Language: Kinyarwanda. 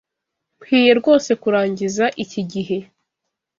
Nkwiye rwose kurangiza iki gihe.